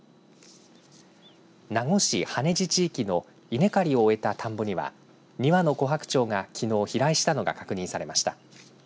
名護市羽地地域の稲刈りを終えた田んぼには２羽のコハクチョウがきのう飛来したのが確認されました。